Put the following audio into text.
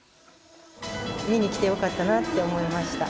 見に来てよかったなって思いました。